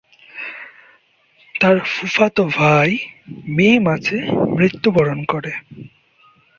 তার ফুফাতো ভাই মে মাসে মৃত্যুবরণ করে।